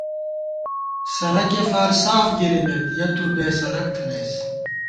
سرَکےفار ساف گِرِمېت، یَہ تُو بېسَرَک تھنَئیس